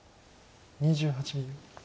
２８秒。